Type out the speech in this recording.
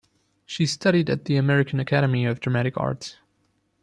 She studied at the American Academy of Dramatic Arts.